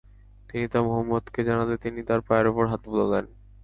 তিনি তা মুহাম্মাদকে জানালে তিনি তার পায়ের উপর হাত বুলালেন।